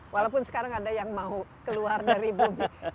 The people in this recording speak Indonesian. walaupun sekarang ada yang mau keluar dari bumi